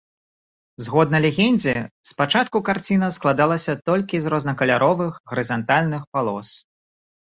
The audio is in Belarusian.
Згодна легендзе спачатку карціна складалася толькі з рознакаляровых гарызантальных палос.